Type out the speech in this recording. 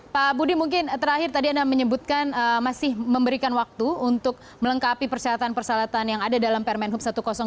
pak budi mungkin terakhir tadi anda menyebutkan masih memberikan waktu untuk melengkapi persyaratan persyaratan yang ada dalam permen hub satu ratus dua